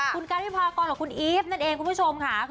คุณการิมภากรหรือคุณอีฟ